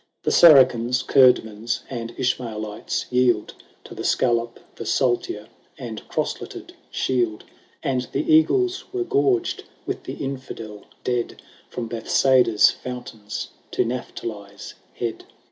The Saracens, Curdmans, and Ishmaelites yield To the scallop, the saltier, and crosleted shield ; And the eagles were gorged with the infidel dead, Prom Bethsaida's fountains to Napktali's head.